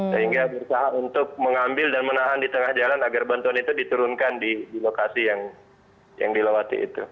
sehingga berusaha untuk mengambil dan menahan di tengah jalan agar bantuan itu diturunkan di lokasi yang dilewati itu